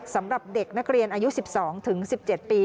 สำหรับเด็กนักเรียนอายุ๑๒๑๗ปี